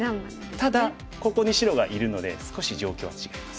ただここに白がいるので少し状況は違います。